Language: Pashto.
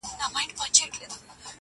باران زما د کور له مخې څخه دوړې يوړې~